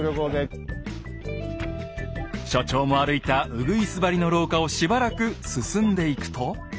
所長も歩いたうぐいす張りの廊下をしばらく進んでいくと。